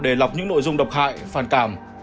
để lọc những nội dung độc hại phản cảm